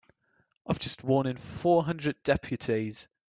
I've just sworn in four hundred deputies.